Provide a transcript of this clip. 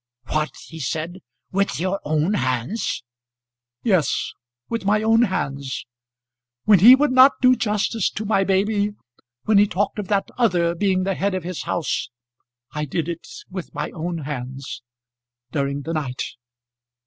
"What!" he said; "with your own hands?" "Yes; with my own hands. When he would not do justice to my baby, when he talked of that other being the head of his house, I did it, with my own hands, during the night."